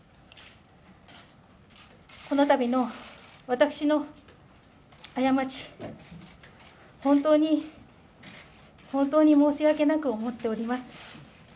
このたびの私の過ち、本当に本当に申し訳なく思っています。